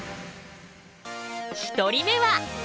１人目は！